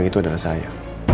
itu adalah saya